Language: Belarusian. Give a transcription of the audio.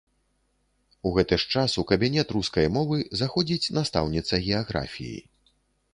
У гэты ж час у кабінет рускай мовы заходзіць настаўніца геаграфіі.